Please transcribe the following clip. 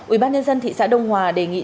ubnd thị xã đông hòa đề nghị